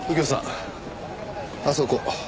あそこ。